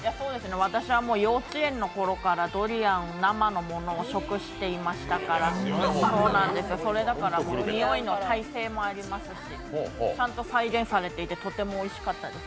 私は幼稚園のころからドリアンを生の状態で食してましたからそれだから、においの耐性もありますし、ちゃんと再現されていてとてもおいしかったです。